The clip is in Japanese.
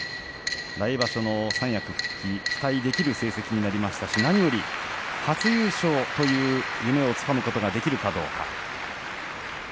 来場所の三役復帰期待できる成績になりましたし何より初優勝という夢をつかむことができるかどうか。